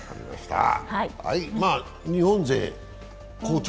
日本勢好調？